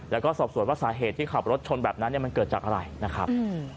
แล้วก็สอบส่วนว่าสาเหตุที่ขับรถชนแบบนั้นมันเกิดจากอะไรนะครับ